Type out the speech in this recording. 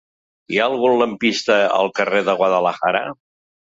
Hi ha algun lampista al carrer de Guadalajara?